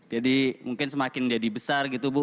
jadi mungkin semakin jadi besar gitu bu